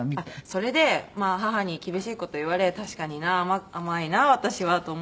それで母に厳しい事を言われ確かにな甘いな私はと思って。